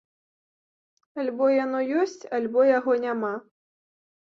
Альбо яно ёсць, альбо яго няма.